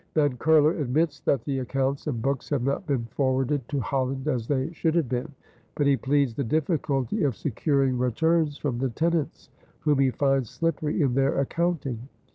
Van Curler admits that the accounts and books have not been forwarded to Holland as they should have been; but he pleads the difficulty of securing returns from the tenants, whom he finds slippery in their accounting.